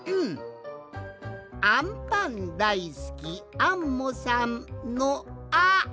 「あんぱんだいすきアンモさん」の「あ」！